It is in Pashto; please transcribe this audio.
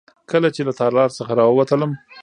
کله چې له تالار څخه راووتم.